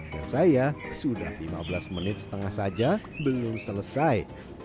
dan saya sudah lima belas menit setengah saja belum selesai